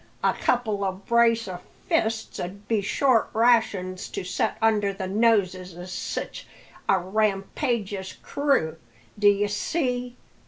a couple o' brace o' fists 'ud be short rations to set under the noses o' sich a rampageous crew, d'ye see.